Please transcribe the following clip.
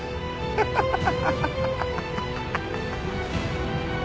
ハハハハ。